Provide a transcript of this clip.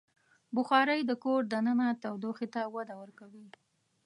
بخاري د کور دننه تودوخې ته وده ورکوي.